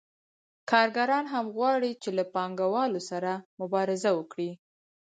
کارګران هم غواړي چې له پانګوالو سره مبارزه وکړي